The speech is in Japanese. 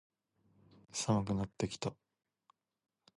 寒くなってきた。